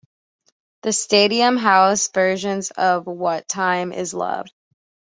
The "Stadium House" versions of "What Time Is Love?